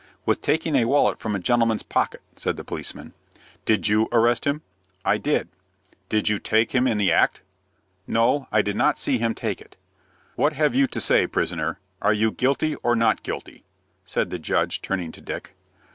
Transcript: "With taking a wallet from a gentleman's pocket," said the policeman. "Did you arrest him?" "I did." "Did you take him in the act?" "No; I did not see him take it." "What have you to say, prisoner? Are you guilty or not guilty?" said the judge, turning to Dick.